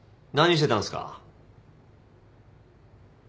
何してたんすか？